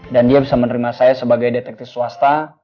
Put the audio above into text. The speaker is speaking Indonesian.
dan dia bisa menerima saya sebagai detektif swasta